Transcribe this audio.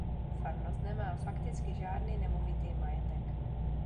Farnost nemá fakticky žádný nemovitý majetek.